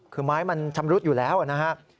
คือไม้มันชำรุดอยู่แล้วนะครับ